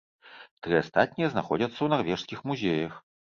Тры астатнія знаходзяцца ў нарвежскіх музеях.